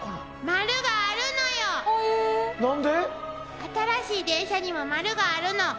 新しい電車にも丸があるの。